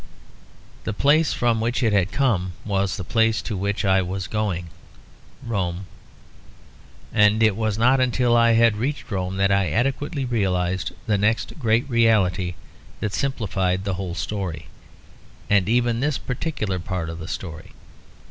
The place from which it had come was the place to which I was going; Rome. And it was not until I had reached Rome that I adequately realised the next great reality that simplified the whole story, and even this particular part of the story.